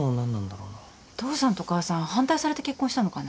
父さんと母さん反対されて結婚したのかな。